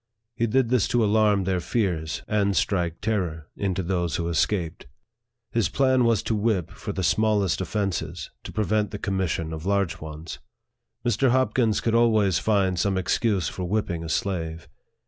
He did this to alarm their fears, and strike terror into those who escaped. His plan was to whip for the smallest offences, to prevent the commission of large ones. Mr. Hopkins could always find some excuse for whipping a slave.